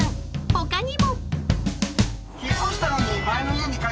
他にも］